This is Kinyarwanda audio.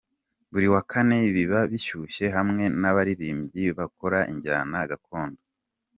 Buri wa Kane biba bishyuye hamwe n'abaririmbyi bakora injyana Gakondo.